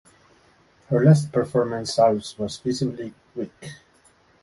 In her last performance Alves was visibly weak.